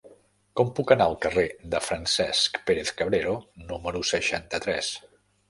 Com puc anar al carrer de Francesc Pérez-Cabrero número seixanta-tres?